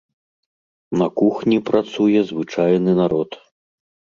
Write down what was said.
На кухні працуе звычайны народ.